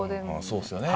そうですよね。